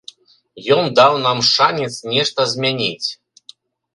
Ён даў нам шанец нешта змяніць.